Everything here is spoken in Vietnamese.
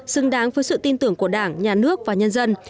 xứng đáng với sự tin tưởng của đảng nhà nước và nhân dân